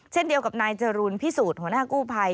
เช่นเดียวกับนายจรูลพิสูจน์หัวหน้ากู้ภัย